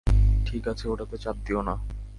ঠিক আছে, ওটাতে চাপ দিও না।